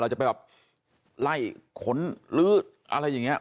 จะไปแบบไล่ขนหรืออะไรอย่างนี้